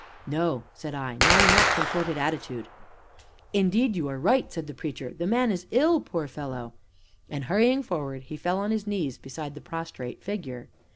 "No," said I, "not in that contorted attitude." "Indeed, you are right," said the Preacher; "the man is ill poor fellow!" And, hurrying forward, he fell on his knees beside the prostrate figure.